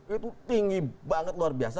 itu tinggi banget luar biasa